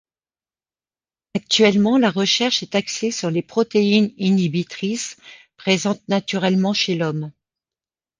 Actuellement, la recherche est axée sur les protéine inhibitricess présentes naturellement chez l'homme.